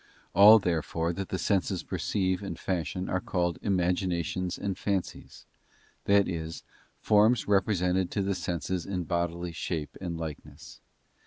All, therefore, that the senses perceive and fashion are called imaginations and fancies—that is, forms represented to _ the senses in bodily shape and likeness.